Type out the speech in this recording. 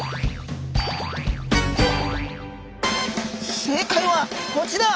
正解はこちら。